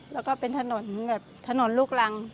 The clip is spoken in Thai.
แล้วก็เป็นถนนแบบถนนลูกรัง